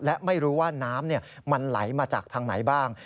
และไม่รู้ว่าน้ำมันไหลมาจากทางไหนบ้าง